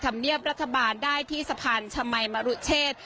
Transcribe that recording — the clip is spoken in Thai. ธรรมเนียบรัฐบาลได้ที่สะพานชมัยมรุเชษ